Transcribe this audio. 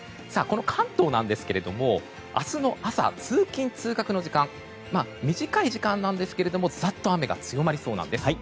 関東なんですけど明日の朝、通勤・通学の時間短い時間なんですけれどもざっと雨が強まりそうなんです。